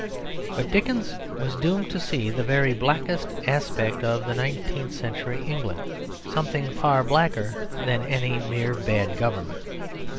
But Dickens was doomed to see the very blackest aspect of nineteenth century England, something far blacker than any mere bad government.